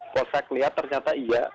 polsek lihat ternyata iya